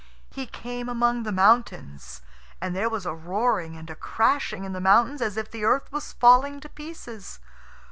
He came among the mountains. And there was a roaring and a crashing in the mountains as if the earth was falling to pieces.